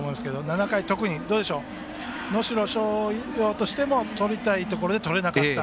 ７回、特に能代松陽としても取りたいところで取れなかった。